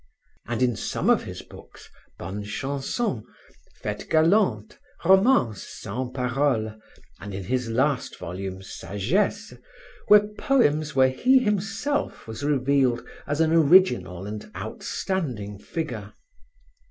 And in some of his books, Bonne Chanson, Fetes Galantes, Romances sans paroles, and his last volume, Sagesse, were poems where he himself was revealed as an original and outstanding figure.